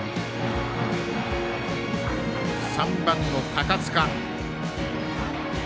３番の高塚。